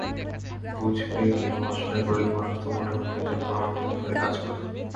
বুঝবে কেন অসহায় গরিব মানুষ দুমুঠো অন্নের জন্য অন্যের ঘরে কাজ করে।